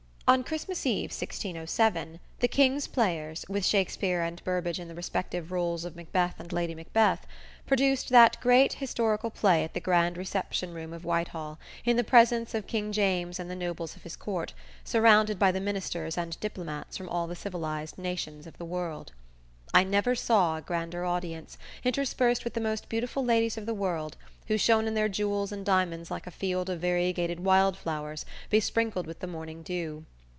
On Christmas Eve, 1607, the "King's Players," with Shakspere and Burbage in the respective rôles of Macbeth and Lady Macbeth, produced that great historical play at the grand reception room of Whitehall, in the presence of King James and the nobles of his court, surrounded by the ministers and diplomats from all the civilized nations of the world. I never saw a grander audience, interspersed with the most beautiful ladies of the world, who shone in their jewels and diamonds like a field of variegated wild flowers, besprinkled with the morning dew.